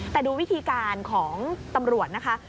แต่ดูวิธีการของตำรวจนะคะ